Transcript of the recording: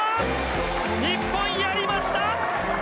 日本やりました！